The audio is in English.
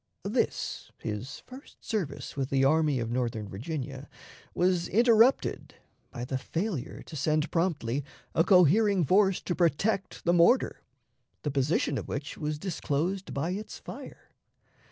This, his first service with the Army of Northern Virginia, was interrupted by the failure to send promptly a cohering force to protect the mortar, the position of which was disclosed by its fire.